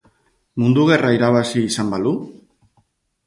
Mundu gerra irabazi izan balu?